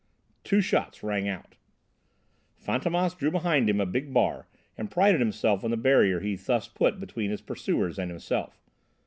Two shots rang out! Fantômas drew behind him a big bar and prided himself on the barrier he thus put between his pursuers and himself.